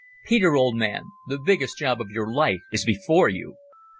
Peter, old man, the biggest job of your life is before you!"